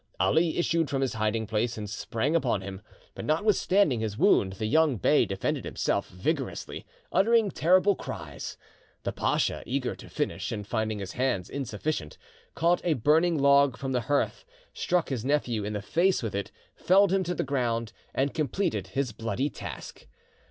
Ali issued from his hiding place and sprang upon him, but notwithstanding his wound the young bey defended himself vigorously, uttering terrible cries. The pacha, eager to finish, and finding his hands insufficient, caught a burning log from the hearth, struck his nephew in the face with it, felled him to the ground, and completed his bloody task.